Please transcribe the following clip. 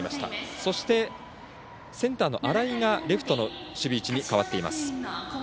そして、センターの新井がレフトの守備位置に変わっています。